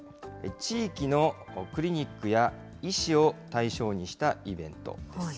地域のクリニックや医師を対象にしたイベントです。